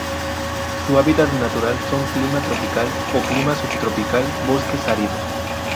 Su hábitat natural son: Clima tropical o Clima subtropical bosques áridos.